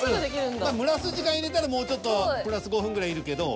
蒸らす時間入れたらもうちょっとプラス５分ぐらいいるけど。